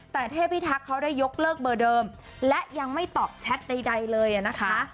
แต่เทพิทักษ์เขาได้ยกเลิกเบอร์เดิมและยังไม่ตอบแชทใดเลยนะคะ